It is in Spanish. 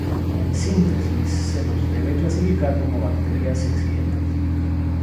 En síntesis, se los debe clasificar como bacterias exigentes.